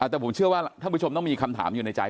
แต่ผมเชื่อว่าท่านผู้ชมต้องมีคำถามอยู่ในใจ